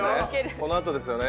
このあとですよね。